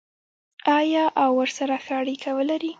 آیا او ورسره ښه اړیکه ولري؟